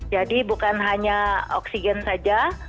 bukan hanya oksigen saja